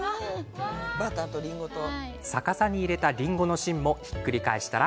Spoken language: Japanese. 逆さに入れたりんごの芯もひっくり返したら、